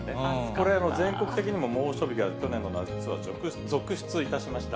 これ全国的にも猛暑日が去年の夏は続出いたしました。